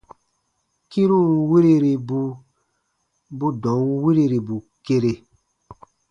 Kĩrun wiriribu bu dɔ̃ɔn wirirbu kere.